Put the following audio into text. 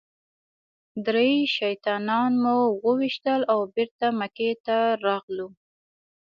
درې شیطانان مو وويشتل او بېرته مکې ته راغلو.